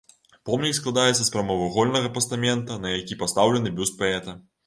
Помнік складаецца з прамавугольнага пастамента, на які пастаўлены бюст паэта.